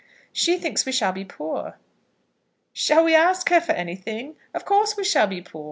"She thinks we shall be poor." "Shall we ask her for anything? Of course we shall be poor.